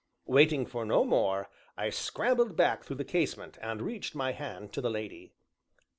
Waiting for no more, I scrambled back through the casement, and reached up my hand to the lady.